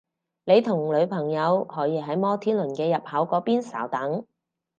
你同女朋友可以喺摩天輪嘅入口嗰邊稍等